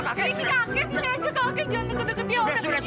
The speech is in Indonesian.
sudah sudah sudah